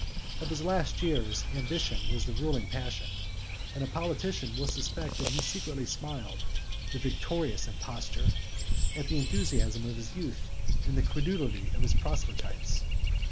Of his last years, ambition was the ruling passion; and a politician will suspect, that he secretly smiled (the victorious impostor!) at the enthusiasm of his youth, and the credulity of his proselytes.